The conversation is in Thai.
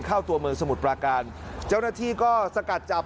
เข้าตัวเมืองสมุทรปราการเจ้าหน้าที่ก็สกัดจับ